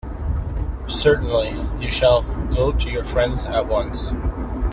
Certainly; you shall go to your friends at once.